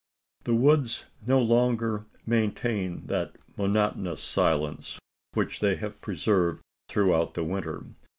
The woods no longer maintain that monotonous silence which they have preserved throughout the winter.